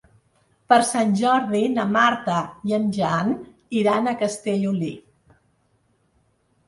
Per Sant Jordi na Marta i en Jan iran a Castellolí.